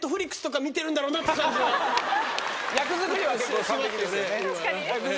役作りは結構完璧ですね。